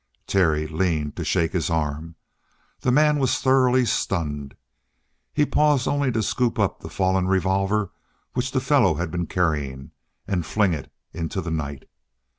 Terry leaned to shake his arm the man was thoroughly stunned. He paused only to scoop up the fallen revolver which the fellow had been carrying, and fling it into the night.